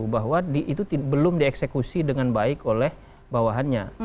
bahwa itu belum dieksekusi dengan baik oleh bawahannya